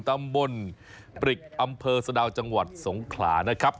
ตำบลปริกอำเภอสะดาวจังหวัดสงขลานะครับ